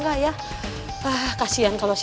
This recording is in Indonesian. mereka pasti cari cari